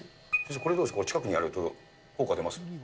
これどうですか、近くにあると効果出ます？